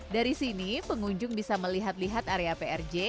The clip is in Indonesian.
dari sini pengunjung bisa melihat lihat area prj